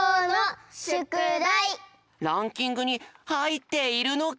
ランキングにはいっているのか！？